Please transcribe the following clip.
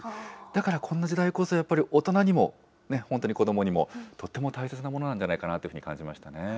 だから、こんな時代こそ、やっぱり大人にも、本当に子どもにも、とっても大切なものなんじゃないかなというふうに感じましたね。